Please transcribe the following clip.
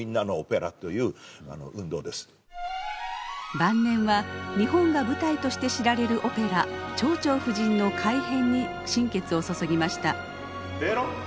晩年は日本が舞台として知られるオペラ「蝶々夫人」の改編に心血を注ぎました。